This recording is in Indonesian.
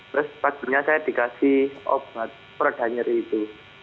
terus setelah itu saya dikasih obat peredanyer itu